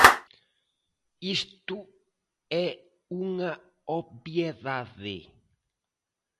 Isto é unha obviedade.